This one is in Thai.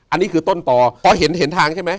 อันนี้คือต้นต่อพอเห็นเห็นทางใช่ไหม